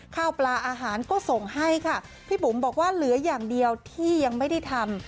ข้าวปลาอาหารก็ส่งให้ค่ะพี่บุ๋มบอกว่าเหลืออย่างเดียวที่ยังไม่ได้ทำ